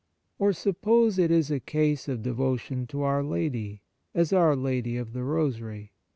Or suppose it is a case of devotion to our Lady, as our Lady of the Rosary.